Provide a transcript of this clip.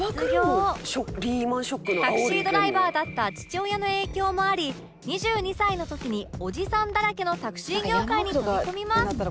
タクシードライバーだった父親の影響もあり２２歳の時におじさんだらけのタクシー業界に飛び込みます